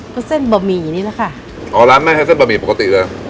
ก็เส้นบะหมี่นี่แหละค่ะอ๋อร้านแม่ใช้เส้นบะหมี่ปกติเลย